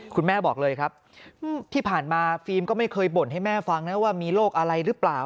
บอกเลยครับที่ผ่านมาฟิล์มก็ไม่เคยบ่นให้แม่ฟังนะว่ามีโรคอะไรหรือเปล่า